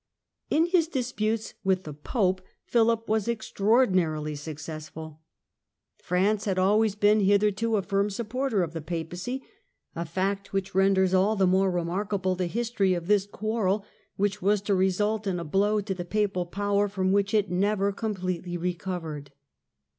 In his disputes with the Pope, Philip was extraordin Qnan; ei ' 11 1 n '^^•th Boni arily successful. France had always been hitherto a firm face viii. supporter of the Papacy, a fact which renders all the more remarkable the history of this quarrel, which was to result in a blow to the Papal power from which it never completely recovered.